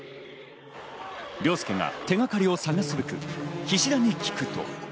凌介が手掛かりを探すべく菱田に聞くと。